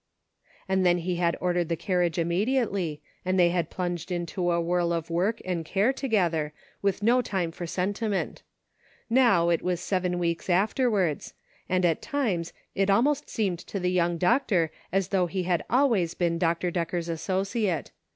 And then he had ordered the carriage immedi ately, and they had plunged into a whirl of work and care together, with no time for sentiment ; now it was seven weeks afterwards, and at times it almost seemed to the young doctor as though he had always been Dr. Decker's associate.